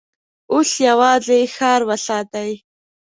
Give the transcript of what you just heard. اوس يواځې ښار وساتئ!